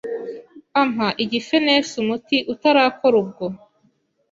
ampa igifenesi umuti utarakora ubwo